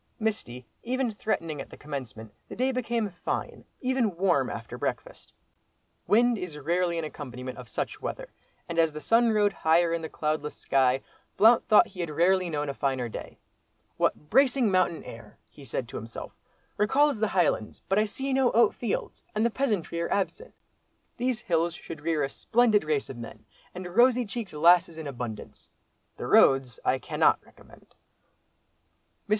Misty, even threatening, at the commencement, the day became fine, even warm, after breakfast. Wind is rarely an accompaniment of such weather, and as the sun rode higher in the cloudless sky, Blount thought he had rarely known a finer day. "What bracing mountain air!" he said to himself. "Recalls the Highlands; but I see no oat fields, and the peasantry are absent. These hills should rear a splendid race of men—and rosy cheeked lasses in abundance. The roads I cannot recommend." Mr.